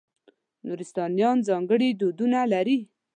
نورستانیان ځانګړي دودونه لري.